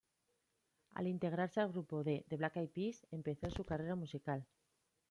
Al integrarse al grupo de The Black Eyed Peas empezó su carrera musical.